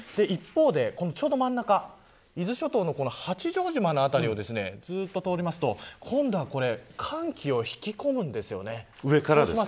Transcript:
一方でちょうど真ん中伊豆諸島の八丈島の辺りをですねずっと通りますと、今度は寒気を引き込むんです。